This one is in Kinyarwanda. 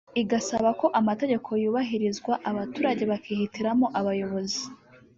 igasaba ko amategeko yubahirizwa abaturage bakihitiramo abayobozi